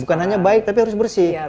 bukan hanya baik tapi harus bersih